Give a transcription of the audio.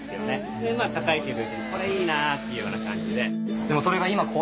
でたたいてるうちにこれいいなっていうような感じで。